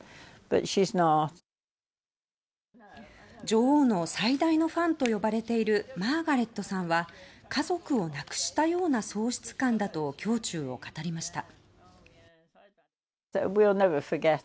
女王の最大のファンと呼ばれているマーガレットさんは家族を亡くしたような喪失感だと胸中を語りました。